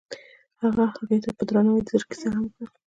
هغه هغې ته په درناوي د زړه کیسه هم وکړه.